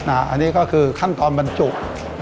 อันนี้ก็คือขั้นตอนบรรจุ